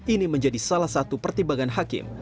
ini menjadi salah satu pertimbangan hakim